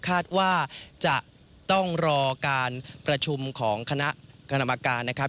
คาดว่าจะต้องรอการประชุมของคณะกรรมการนะครับ